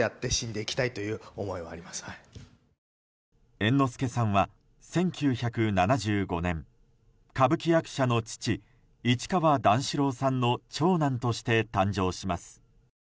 猿之助さんは、１９７５年歌舞伎役者の父市川段四郎さんの長男として誕生します。